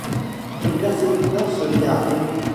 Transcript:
Le percepteur se mit à rire.